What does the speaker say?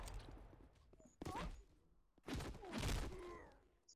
理论生物学家倾向于利用数学及计算机工具来对生物世界中的现象进行解释。